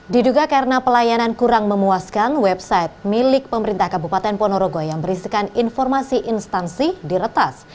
diduga karena pelayanan kurang memuaskan website milik pemerintah kabupaten ponorogo yang berisikan informasi instansi diretas